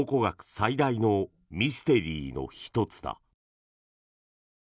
最大のミステリーの１つだ。